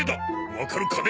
わかるかね？